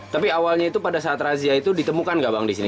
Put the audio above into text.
tapi awalnya itu pada saat razia itu ditemukan gak bang disini